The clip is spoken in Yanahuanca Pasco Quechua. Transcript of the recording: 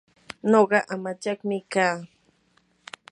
nuqa amachaqmi kaa.